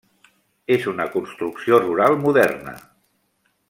És una construcció rural moderna.